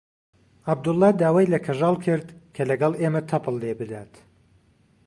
عەبدوڵڵا داوای لە کەژاڵ کرد کە لەگەڵ ئێمە تەپڵ لێ بدات.